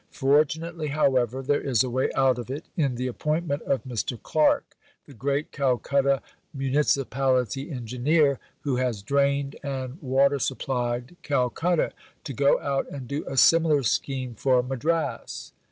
Fortunately, however, there is a way out of it in the appointment of Mr. Clark, the great Calcutta Municipality Engineer, who has drained and water supplied Calcutta, to go out and do a similar scheme for Madras....